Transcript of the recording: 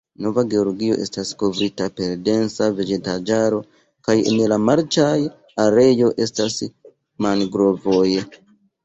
Nova Georgio estas kovrita per densa vegetaĵaro, kaj en la marĉaj areoj estas mangrovoj.